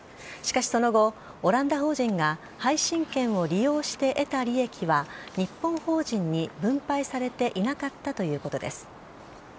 しかし、その後、オランダ法人が配信権を利用して得た利益は、日本法人に分配されていなかったということです。